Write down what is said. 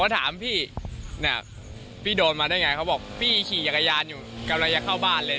ถามพี่เนี่ยพี่โดนมาได้ไงเขาบอกพี่ขี่จักรยานอยู่กำลังจะเข้าบ้านเลย